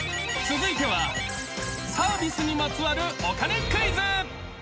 ［続いてはサービスにまつわるお金クイズ］